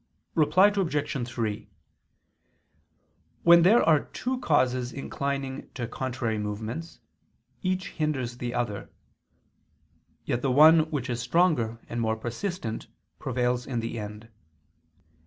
Reply Obj. 3: When there are two causes inclining to contrary movements, each hinders the other; yet the one which is stronger and more persistent, prevails in the end.